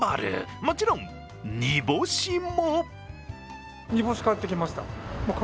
もちろん煮干しも。